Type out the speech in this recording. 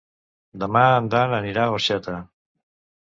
Demà en Dan anirà a Orxeta.